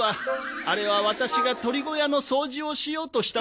あれはワタシが鳥小屋の掃除をしようとした時でした。